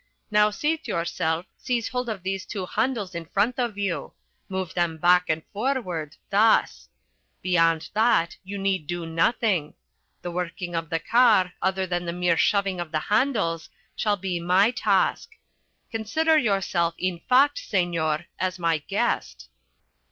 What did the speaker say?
"Now seat yourself, seize hold of these two handles in front of you. Move them back and forward, thus. Beyond that you need do nothing. The working of the car, other than the mere shoving of the handles, shall be my task. Consider yourself, in fact, senor, as my guest."